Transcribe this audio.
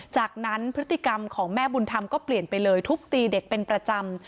จากนั้นพฤติกรรมของแม่บุญธรรมก็เปลี่ยนไปเลยทุบตีเด็กเป็นประจำ